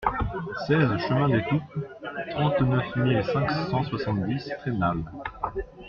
seize chemin des Toupes, trente-neuf mille cinq cent soixante-dix Trenal